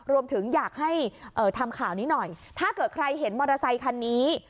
รวมถึงอยากให้ทำข่าวนี้หน่อยถ้าเกิดใครเห็นมอเตอร์ไซคันนี้